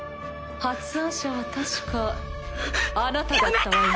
発案者は確かあなただったわよね。